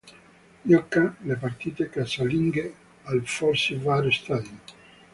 Gioca le partite casalinghe al Forsyth Barr Stadium.